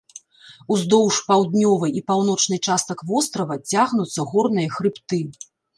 Уздоўж паўднёвай і паўночнай частак вострава цягнуцца горныя хрыбты.